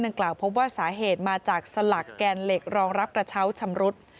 กล่าวพบว่าสาเหตุมาจากสลักแกนเหล็กรองรับกระเช้าชำรุด